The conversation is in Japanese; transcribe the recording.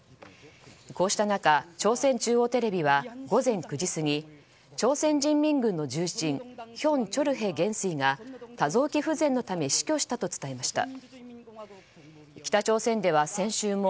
こうした中、朝鮮中央テレビは午前９時過ぎ朝鮮人民軍の重鎮ヒョン・チョルヘ元帥が多臓器不全のため死去したと伝えました。